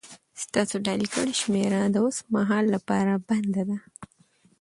ستاسو ډائل کړې شمېره د اوس مهال لپاره بنده ده